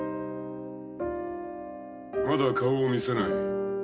まだ顔を見せない？